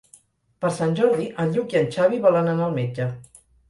Per Sant Jordi en Lluc i en Xavi volen anar al metge.